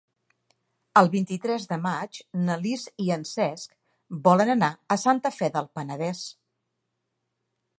El vint-i-tres de maig na Lis i en Cesc volen anar a Santa Fe del Penedès.